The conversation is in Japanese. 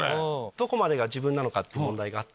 どこまでが自分なのかって問題があって。